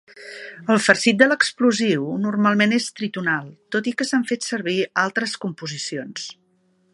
El farcit de l'explosiu normalment és tritonal, tot i que s'han fet servir altres composicions.